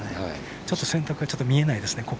ちょっと選択は見えないですね。